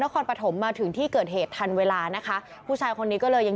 คอนปฐมมาถึงที่เกิดเหตุทันเวลานะคะผู้ชายคนนี้ก็เลยยัง